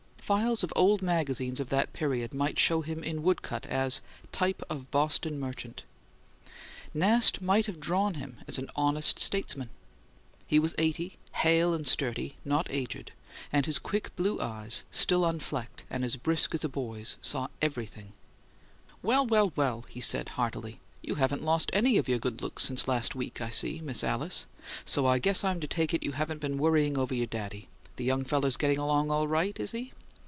Files of old magazines of that period might show him, in woodcut, as, "Type of Boston Merchant"; Nast might have drawn him as an honest statesman. He was eighty, hale and sturdy, not aged; and his quick blue eyes, still unflecked, and as brisk as a boy's, saw everything. "Well, well, well!" he said, heartily. "You haven't lost any of your good looks since last week, I see, Miss Alice, so I guess I'm to take it you haven't been worrying over your daddy. The young feller's getting along all right, is he?"